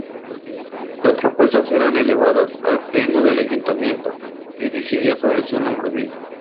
Las propuestas eran elevadas al pleno del ayuntamiento, que decidía sobre su nombramiento.